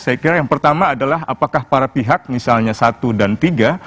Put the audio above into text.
saya kira yang pertama adalah apakah para pihak misalnya satu dan tiga